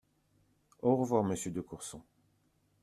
Au revoir, monsieur de Courson